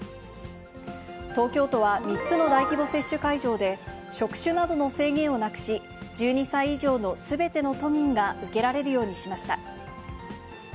東京都は３つの大規模接種会場で職種などの制限をなくし、１２歳以上のすべての都民が受けられるようにしました。